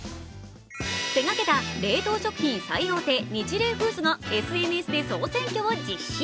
手がけた冷凍食品最大手ニチレイフーズがＳＮＳで総選挙を実施。